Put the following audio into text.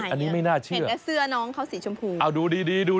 อันนี้ไม่น่าเชื่อเห็นแค่เสื้อน้องเขาสีชมพู